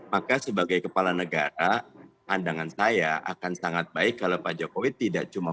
maka sebagai kepala negara pandangan saya akan sangat baik kalau pak jokowi tidak cuma